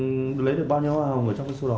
thế chị lấy được bao nhiêu hoa hồng ở trong số đó rồi